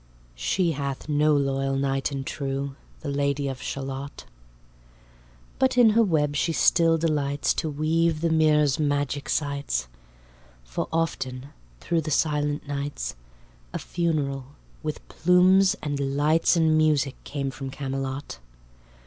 She hath no loyal knight and true The Lady of Shalott. But in her web she still delights To weave the mirror's magic sights: For often thro' the silent nights A funeral, with plumes and lights And music, came from Camelot.